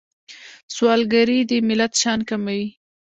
سوالګري د ملت شان کموي